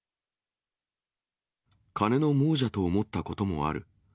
金の亡者と思ったこともある。